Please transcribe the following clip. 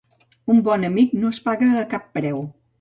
Un bon amic no es paga a cap preu.